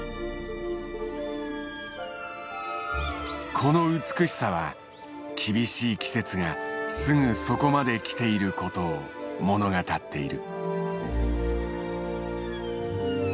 この美しさは厳しい季節がすぐそこまで来ていることを物語っている。